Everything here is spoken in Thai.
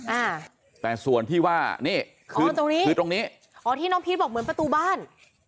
อ่าแต่ส่วนที่ว่านี่คือตรงนี้คือตรงนี้อ๋อที่น้องพีชบอกเหมือนประตูบ้าน